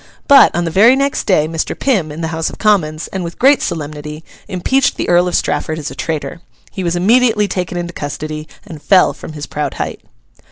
But, on the very next day Mr. Pym, in the House of Commons, and with great solemnity, impeached the Earl of Strafford as a traitor. He was immediately taken into custody and fell from his proud height.